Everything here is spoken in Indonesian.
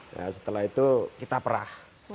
nah setelah itu kita perah